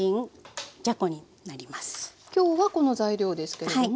今日はこの材料ですけれども。